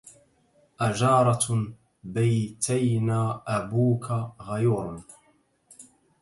أجارة بيتينا أبوك غيور